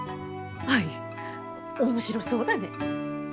アイ面白そうだね。